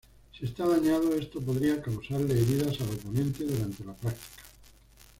Si está dañado, esto podría causarle heridas al oponente durante la práctica.